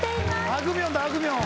あぐみょんだあぐみょん